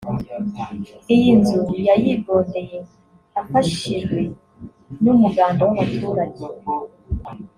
iyi nzu yayigondeye afashijwe n’umuganda w’abaturage